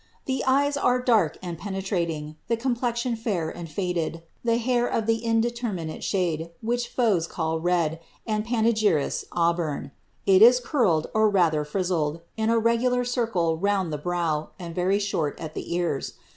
I'he eyes are dark and peneiraliug, the complexion laii and faded, the hair of the indeterminate shade, wliicli foea call red, and panegyrists auburn : it is curled, or rather frizzled, in a regular circle ronnd the brow, and very short at the ears.